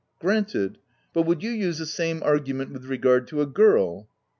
" Granted ;— but would you use the same argument with regard to a girl?"